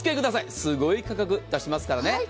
すごい価格、出しますからね。